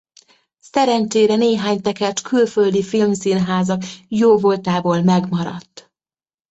Szerencsére néhány tekercs külföldi filmszínházak jóvoltából megmaradt.